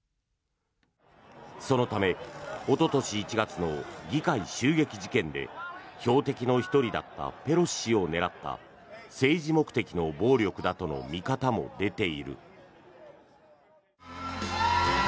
そのためおととし１月の議会襲撃事件で標的の１人だったペロシ氏を狙った政治目的の暴力だとの見方も出ている。